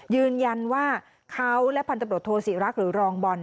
ยืนยันว่าเขาและพันธบรตโทศิรักษ์หรือรองบอล